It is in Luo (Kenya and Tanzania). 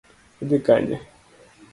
Idhi Kanye?